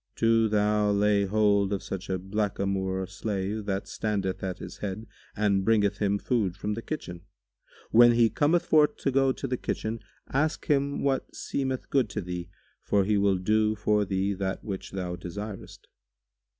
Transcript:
Do thou lay hold of such a blackamoor slave who standeth at his head and bringeth him food from the kitchen. When he cometh forth to go to the kitchen, ask him what seemeth good to thee; for he will do for thee that which thou desirest."